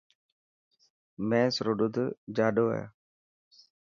مينس رو ڏوڌ جاڏو هي .